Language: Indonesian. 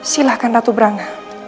silahkan ratu brang